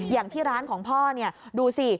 อย่างที่ร้านของพ่อดูสิ